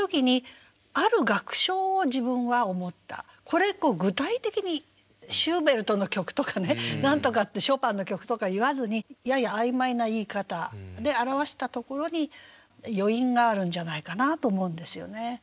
これ具体的にシューベルトの曲とかね何とかってショパンの曲とか言わずにやや曖昧な言い方で表したところに余韻があるんじゃないかなと思うんですよね。